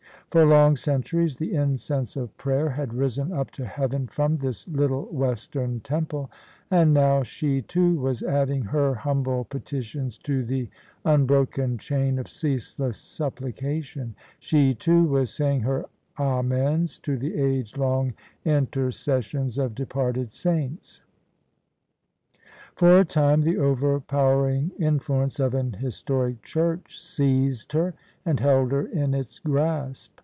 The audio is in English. For long centuries the incense of prayer had risen up to Heaven from this little western temple: and now she, too, was adding her humble petitions to the unbroken chain of ceaseless supplica tion — she, too, was saying her Amens to the age long inter cessions of departed saints. For a time the overpowering influence of an historic Church seized her and held her in its grasp.